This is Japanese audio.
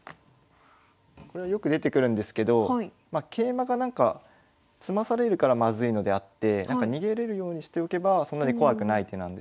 これはよく出てくるんですけど桂馬がなんか詰まされるからまずいのであって逃げれるようにしておけばそんなに怖くない手なんですね。